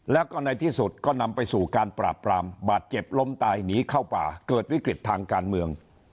แล้วก็ในที่สุดก็นำไปสู่การปราบปรามบาดเจ็บล้มตายหนีเข้าป่าเกิดวิกฤตทางการเมือง